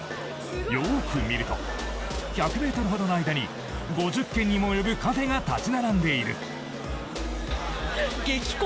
よく見ると、１００ｍほどの間に５０軒にも及び、カフェが立ち並んでいる。